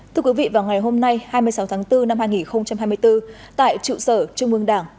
thưa quý vị vào ngày hôm nay hai mươi sáu tháng bốn năm hai nghìn hai mươi bốn tại trụ sở trung ương đảng